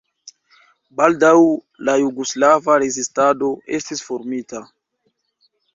Baldaŭ la jugoslava rezistado estis formita.